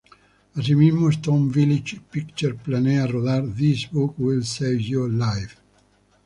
Asimismo, Stone Village Pictures planea rodar "This Book Will Save Your Life".